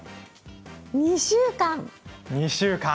２週間。